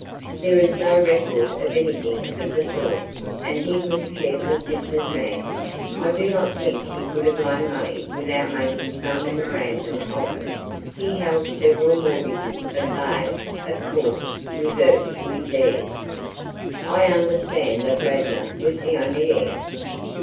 "There is no record of anything of the sort and he was a careful business man. I do not think he would have loaned money without making some memorandum of it. He held several mortgages but they, of course, revert to his heirs." "I understood that Radnor was the only heir."